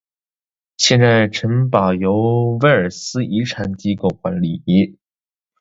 现在城堡由威尔斯遗产机构管理。